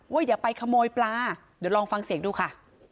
เว้ยเดี๋ยวไปขโมยปลาเดี๋ยวลองฟังเสียงดูค่ะ